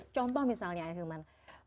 contoh misalnya ya hilman